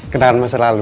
kenal masa lalu